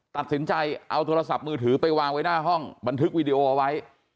ตัดสินใจเอาโทรศัพท์มือถือไปวางไว้หน้าห้องบันทึกวีดีโอเอาไว้